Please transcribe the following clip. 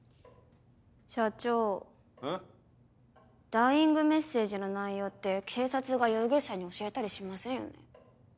ダイイングメッセージの内容って警察が容疑者に教えたりしませんよね？